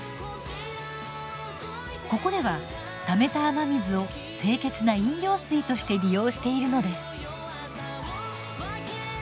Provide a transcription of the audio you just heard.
ここではためた雨水を清潔な飲料水として利用しているのです。